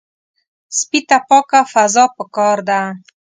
سپي ته پاکه فضا پکار ده.